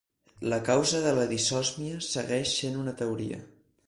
La causa de la disòsmia segueix sent una teoria.